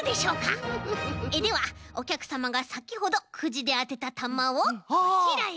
ではおきゃくさまがさきほどくじであてたたまをこちらへ。